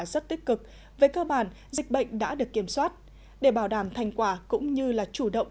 rất tích cực về cơ bản dịch bệnh đã được kiểm soát để bảo đảm thành quả cũng như là chủ động